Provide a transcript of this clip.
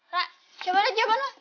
kak coba liat jawaban lo